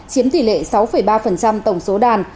chiếm tỷ lệ sáu ba tổng số đàn